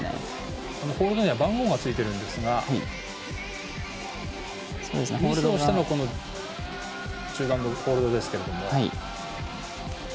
ホールドには番号がついているんですがミスをしたのが中盤のホールド。